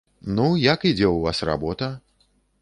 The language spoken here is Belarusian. Ну, як ідзе ў вас работа?